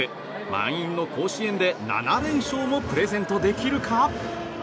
満員の甲子園で７連勝もプレゼントできるか？